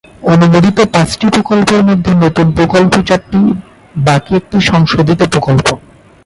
অনুমোদিত পাঁচটি প্রকল্পের মধ্যে নতুন প্রকল্প চারটি, বাকি একটি সংশোধিত প্রকল্প।